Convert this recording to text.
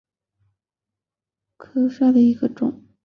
桑安蛎盾介壳虫为盾介壳虫科安蛎盾介壳虫属下的一个种。